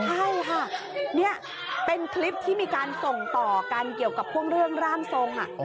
ใช่ค่ะนี่เป็นคลิปที่มีการส่งต่อกันเกี่ยวกับพวกเรื่องร่างทรง